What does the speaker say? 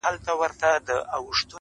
زمـــا د رسـوايـــۍ كــيســه.